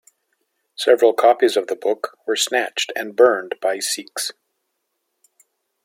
Several copies of the book were snatched and burned by Sikhs.